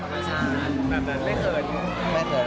ธรรมชาติแบบนั้นไม่เขิน